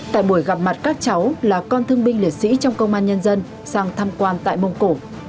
tại buổi gặp mặt các cháu là con thương binh liệt sĩ trong công an nhân dân sang thăm quan tại mông cổ